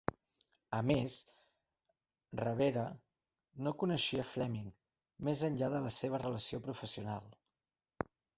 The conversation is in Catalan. A més, Revere no coneixia Fleming més enllà de la seva relació professional.